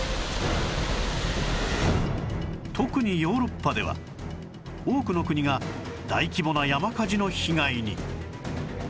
特にヨーロッパでは多くの国が大規模な山火事の被害に